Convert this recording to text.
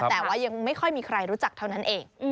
แต่ว่ายังไม่ค่อยมีใครรู้จักเท่านั้นเอง